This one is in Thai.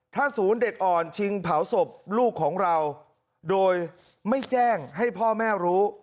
ถ้าศูนย์เด็กอ่อนชิงเผาศพลูกของเราโดยไม่แจ้งให้พ่อแม่รู้